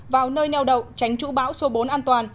vào nơi nèo động tránh trú bão số bốn an toàn